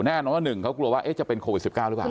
แน่นอนว่า๑เขากลัวว่าจะเป็นโควิด๑๙หรือเปล่า